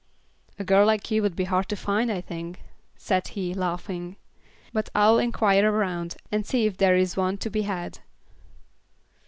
"A girl like you would be hard to find, I think," said he, laughing, "but I'll inquire around and see if there is one to be had."